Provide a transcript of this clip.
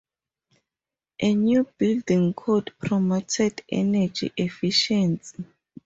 A new building code promoted energy efficiency.